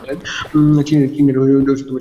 চীনের স্বদেশী মাছ।